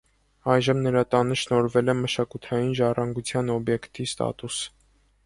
Այժմ նրա տանը շնորհվել է մշակութային ժառանգության օբյեկտի ստատուս։